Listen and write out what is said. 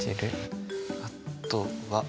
あとは。